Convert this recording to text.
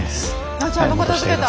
あちゃんと片づけた。